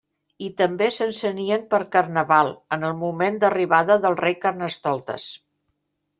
I també s'encenien per carnaval, en el moment d'arribada del rei Carnestoltes.